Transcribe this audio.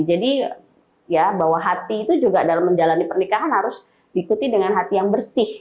jadi ya bahwa hati itu juga dalam menjalani pernikahan harus diikuti dengan hati yang bersih